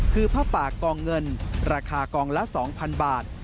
คือผ้าปากกองเงินราคากองละ๒๐๐๐บาท